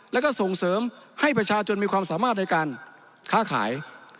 แล้วก็ส่งเสริมให้ประชาชนมีความสามารถในการค้าขาย